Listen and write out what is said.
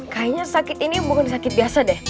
kayaknya sakit ini bukan sakit biasa deh